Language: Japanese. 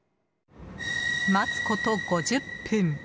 待つこと５０分。